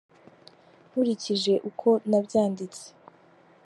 nkurikije uko nabyanditse.